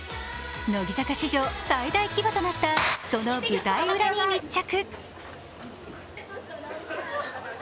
乃木坂史上最大規模となったその舞台裏に密着。